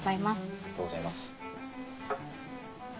ありがとうございます。